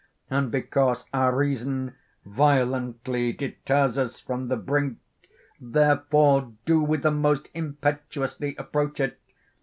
And because our reason violently deters us from the brink, therefore do we the most impetuously approach it.